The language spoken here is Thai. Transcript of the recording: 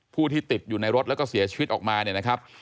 ผู้ที่ติดอยู่ในรถแล้วก็เสียชีวิตออกมา